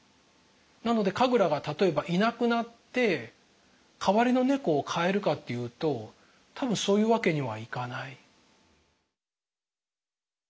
なのでカグラが例えばいなくなって代わりの猫を飼えるかっていうと多分そういうわけにはいかない。